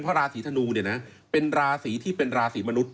เพราะราศีธนูเป็นราศีที่เป็นราศีมนุษย์